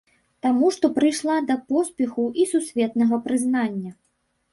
Таму што прыйшла да поспеху і сусветнага прызнання.